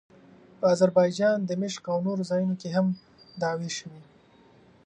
په اذربایجان، دمشق او نورو ځایونو کې هم دعوې شوې.